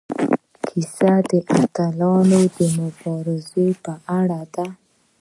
کیسه د اتلانو د مبارزو په اړه ده.